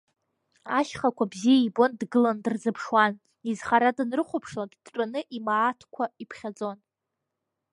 Ашьхақәа бзиа ибон, дгылан дырзыԥшуан, изхара данрыхәаԥшлак, дтәаны имааҭқәа иԥхьаӡон.